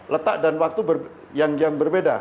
letak dan waktu yang berbeda